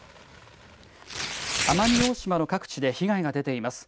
奄美大島の各地で被害が出ています。